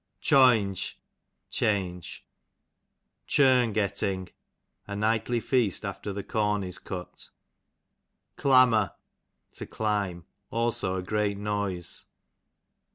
Choynge, change. Churn getting, a nightly feast after the com is cut. Clammer, to climb ; also a great noise.